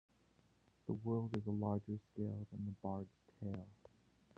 The world is a larger scale than "The Bard's Tale".